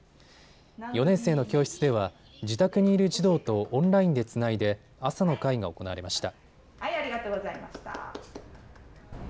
４年生の教室では自宅にいる児童とオンラインでつないで朝の会が行われました。